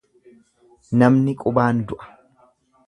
Namni qubaan du'a.